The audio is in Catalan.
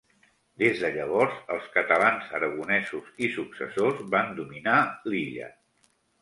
Des de llavors els catalans-aragonesos i successors van dominar l'illa.